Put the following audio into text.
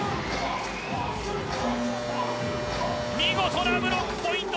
見事なブロックポイント。